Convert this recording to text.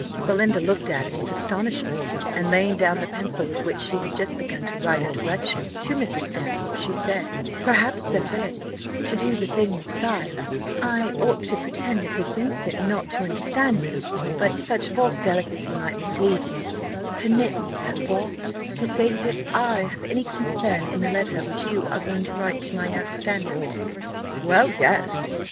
Belinda looked at him with astonishment; and laying down the pencil with which she had just begun to write a direction to Mrs. Stanhope, she said, "Perhaps, Sir Philip, to do the thing in style, I ought to pretend at this instant not to understand you; but such false delicacy might mislead you: permit me, therefore, to say, that if I have any concern in the letter which you, are going to write to my aunt Stanhope " "Well guessed!"